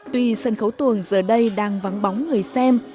tuy sân khấu tuồng giờ đây đang vắng bóng người xem